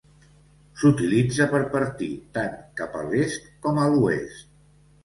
S'utilitza per partir tant cap a l'est com a l'oest.